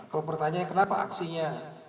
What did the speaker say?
kalau pertanyaan kenapa aksinya